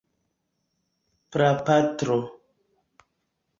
prapatro